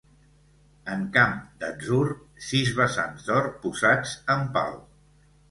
En camp d'atzur, sis besants d'or posats en pal.